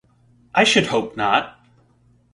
I should hope not!